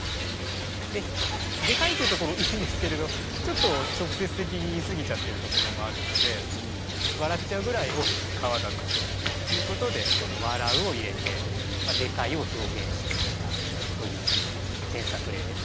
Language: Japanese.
ででかいというところいいんですけれどちょっと直接的に言い過ぎちゃってるところもあるので笑っちゃうぐらい大きな皮だということでこの「笑う」を入れて「でかい」を表現してみたという添削例です。